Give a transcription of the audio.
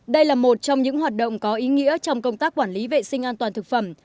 đây là một trong những hoạt động có ý nghĩa trong công tác quản lý vệ sinh an toàn thực phẩm